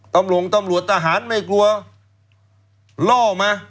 กำลวงตำรวจทหารไม่กลัวเลาะมา